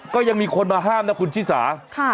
ก็ยังมีคนมาห้ามนะคุณชิสา